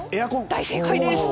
大正解です。